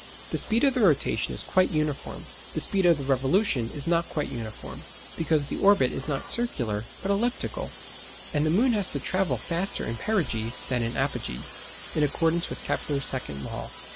The speed of the rotation is quite uniform, the speed of the revolution is not quite uniform, because the orbit is not circular but elliptical, and the moon has to travel faster in perigee than in apogee (in accordance with Kepler's second law).